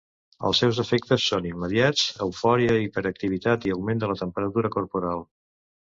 Els seus efectes són immediats: eufòria, hiperactivitat i augment de la temperatura corporal.